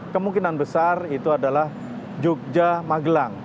kemungkinan besar itu adalah jogja magelang